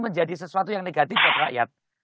menjadi sesuatu yang negatif buat rakyat